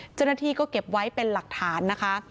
เจ้าหน้าที่ก็เก็บไว้เป็นหลักฐานนะคะ